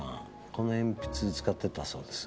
この鉛筆使ってたそうです。